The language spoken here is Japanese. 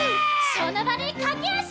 「その場でかけあし！」